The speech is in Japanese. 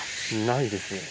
ないですね。